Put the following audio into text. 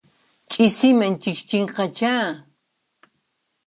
Ch'isiman chikchinqachá.